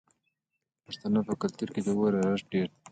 د پښتنو په کلتور کې د اور ارزښت ډیر دی.